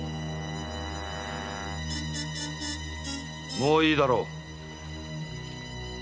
もういいだろう。